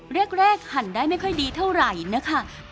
แรกหั่นได้ไม่ค่อยดีเท่าไหร่นะคะ